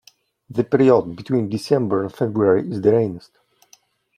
The period between December and February is the rainiest.